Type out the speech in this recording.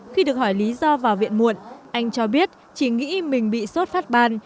khi được hỏi lý do vào viện muộn anh cho biết chỉ nghĩ mình bị sốt phát ban